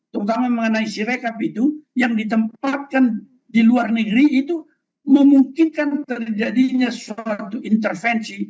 terutama mengenai sirekap itu yang ditempatkan di luar negeri itu memungkinkan terjadinya suatu intervensi